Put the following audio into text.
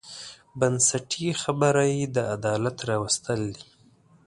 بنسټي خبره یې د عدالت راوستل دي.